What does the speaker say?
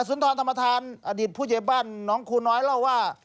นักศูนย์ธรรมฐานอดีตผู้เยบบ้านน้องคุณ้อยเล่าว่า